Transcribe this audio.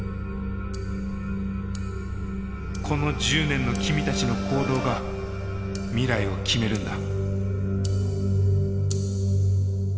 この１０年の君たちの行動が未来を決めるんだ。